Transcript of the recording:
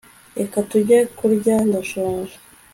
reka tujye kurya ndashonje